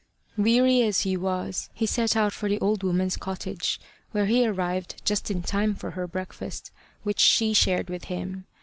Weary as he was, he set out for the old woman's cottage, where he arrived just in time for her breakfast, which she shared with him.